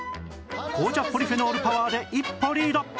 紅茶ポリフェノールパワーで一歩リード！